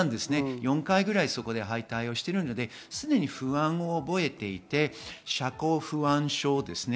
４回ぐらい敗退しているので不安を覚えていて、社交不安症です。